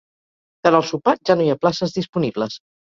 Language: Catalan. Per al sopar ja no hi ha places disponibles.